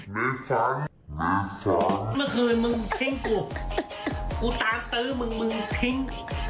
เคยต่างตื้อมึงทิ้ง